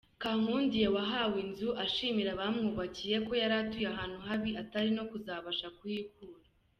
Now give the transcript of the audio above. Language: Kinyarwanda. Kankundiye wahawe inzu, ashimira abamwubakiye, ko yari atuye ahantu habi, atari no kuzabasha kuhikura.